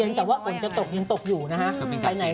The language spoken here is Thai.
แต่ว่าฝนจะตกยังตกอยู่นะฮะ